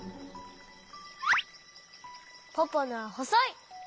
ポポのはほそい。